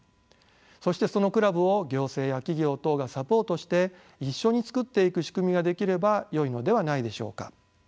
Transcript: そしてそのクラブを行政や企業等がサポートして一緒に作っていく仕組みが出来ればよいのではないでしょうか。